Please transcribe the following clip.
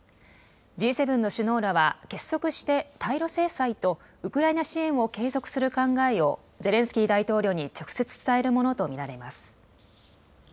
Ｇ７の首脳らは結束して対ロ制裁と、ウクライナ支援を継続する考えをゼレンスキー大統領に直接伝えるものと見られます。